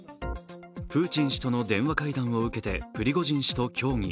プーチン氏との電話会談を受けてプリゴジン氏と協議。